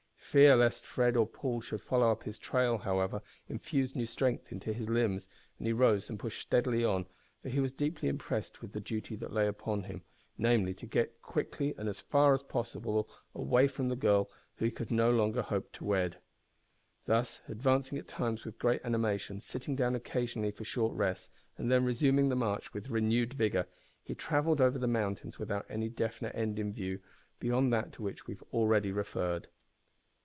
Fear lest Fred or Paul should follow up his trail, however, infused new strength into his limbs, and he rose and pushed steadily on, for he was deeply impressed with the duty that lay upon him namely, to get quickly, and as far as possible, away from the girl whom he could no longer hope to wed. Thus, advancing at times with great animation, sitting down occasionally for short rests, and then resuming the march with renewed vigour, he travelled over the mountains without any definite end in view, beyond that to which we have already referred.